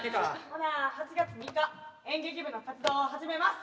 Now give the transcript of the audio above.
ほな８月３日演劇部の活動を始めます。